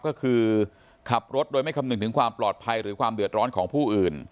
ก็คือขับรถโดยไม่คำนึงถึงความปลอดภัยหรือความเดือดร้อนของผู้อื่น